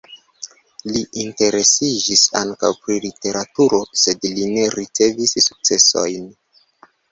Li interesiĝis ankaŭ pri literaturo, sed li ne ricevis sukcesojn.